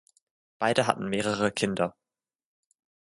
Beide hatten mehrere Kinder.